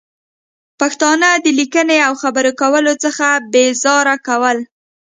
پښتانه د لیکنې او خبرې کولو څخه بې زاره کول